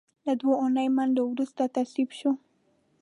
له دوو اونیو منډو وروسته تصویب شوه.